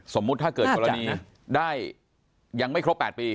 สมมุติถ้าเกิดกรณีได้ยังไม่ครบ๘ปี